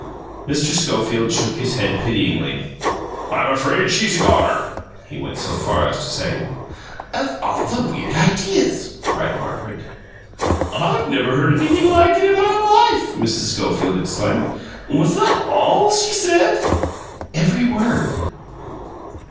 Mr. Schofield shook his head pityingly. "I'm afraid she's a goner," he went so far as to say. "Of all the weird ideas!" cried Margaret. "I never heard anything like it in my life!" Mrs. Schofield exclaimed. "Was that ALL she said?" "Every word!"